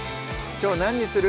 きょう何にする？